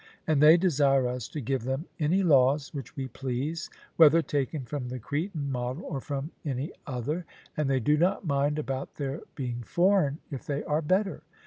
And they desire us to give them any laws which we please, whether taken from the Cretan model or from any other; and they do not mind about their being foreign if they are better.